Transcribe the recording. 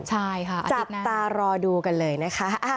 ใช่ค่ะอาทิตย์นั้นจับตารอดูกันเลยนะคะ